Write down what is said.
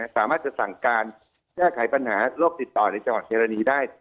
สามารถจะสั่งการแก้ไขปัญหาโรคติดต่อในจังหวัดเฮรณีได้